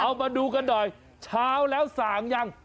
เอามาดูกันหน่อยโรค์ช้าวแล้วส่างยัง